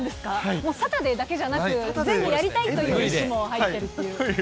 もうサタデーだけじゃなく、全部やりたいという意思も入ったりという。